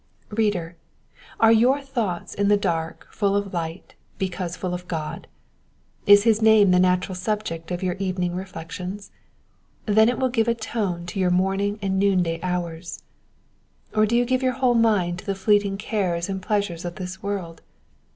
Reader, are your thoughts ■ in the dark full of light, because full of God ? Is his name the natural subject of your evening re flections? Then it will give a tone to your morning and noonday hours. Or do you give your whole mind to the fleeting cares and pleasures of this world